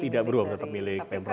tidak berubah tetap milik pemprov bk